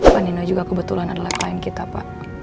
panino juga kebetulan adalah klien kita pak